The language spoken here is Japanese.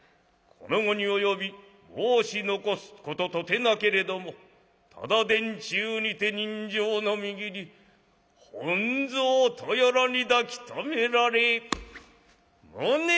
『この期に及び申し残すこととてなけれどもただ殿中にて刃傷のみぎり本蔵とやらに抱きとめられ無念』。